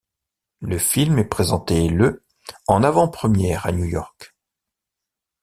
Le film est présenté le en avant-première à New York.